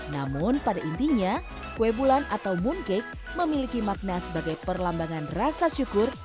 namun pada intinya kue bulan atau mooncake memiliki makna sebagai perlambangan rasa syukur